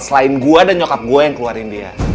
selain gua dan nyokap gue yang keluarin dia